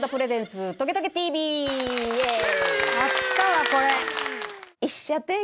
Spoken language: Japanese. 「あったわこれ！」